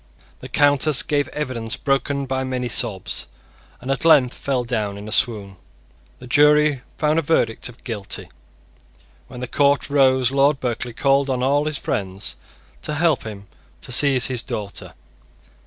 The Countess gave evidence broken by many sobs, and at length fell down in a swoon. The jury found a verdict of Guilty. When the court rose Lord Berkeley called on all his friends to help him to seize his daughter.